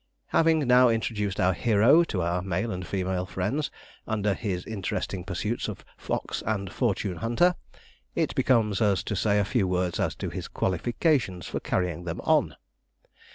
Having now introduced our hero to our male and female friends, under his interesting pursuits of fox and fortune hunter, it becomes us to say a few words as to his qualifications for carrying them on.